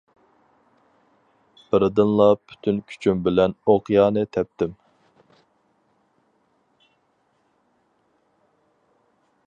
بىردىنلا پۈتۈن كۈچۈم بىلەن ئوقيانى تەپتىم.